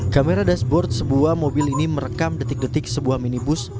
kamera dashboard sebuah mobil ini merekam detik detik sebuah minibus